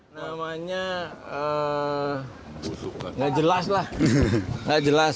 namanya nggak jelas lah nggak jelas